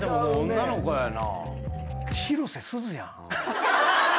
女の子やな。